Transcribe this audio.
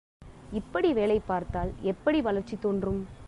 இப்படி வேலை பார்த்தால் எப்படி வளர்ச்சி தோன்றும்.